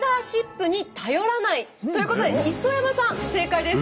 ということで磯山さん正解です。